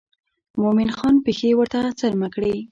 مومن خان پښې ورته څرمه کړې.